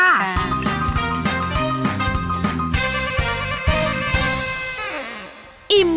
ชิมมั่ง